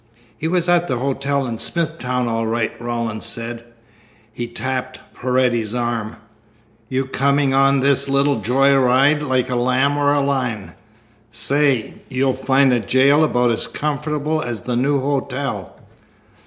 "He was at the hotel in Smithtown all right," Rawlins said. He tapped Paredes's arm. "You coming on this little joy ride like a lamb or a lion? Say, you'll find the jail about as comfortable as the New Hotel."